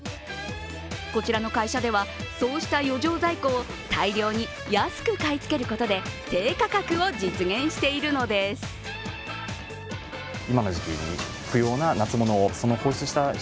こちらの会社では、そうした余剰在庫を大量に安く買い付けることで低価格を実現しているのです。